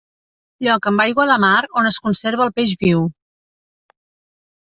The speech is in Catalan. Lloc amb aigua de mar on es conserva el peix viu.